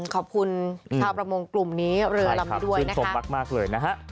ขอบคุณชาวประมงกลุ่มนี้เรือลำด้วย